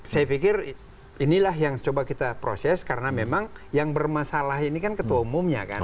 saya pikir inilah yang coba kita proses karena memang yang bermasalah ini kan ketua umumnya kan